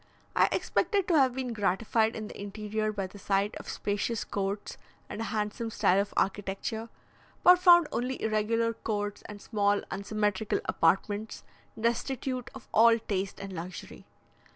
I expected to have been gratified in the interior by the sight of spacious courts and a handsome style of architecture, but found only irregular courts and small unsymmetrical apartments, destitute of all taste and luxury.